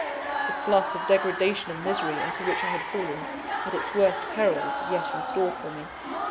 The slough of degradation and misery into which I had fallen, had its worst perils yet in store for me.